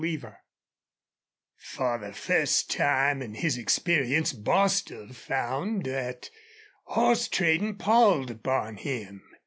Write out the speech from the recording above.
CHAPTER XVII For the first time in his experience Bostil found that horse trading palled upon him.